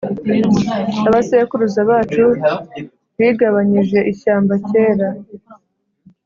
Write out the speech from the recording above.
abasekuruza bacu bigabanyije ishyamba kera